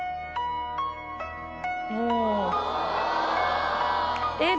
おお。えっ？